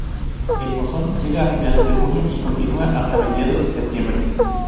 El monzón llega a finales de junio y continúa hasta mediados de septiembre.